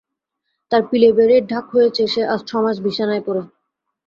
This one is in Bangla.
তার পিলে বেড়ে ঢাক হয়েছে, সে আজ ছ মাস বিছানায় পড়ে।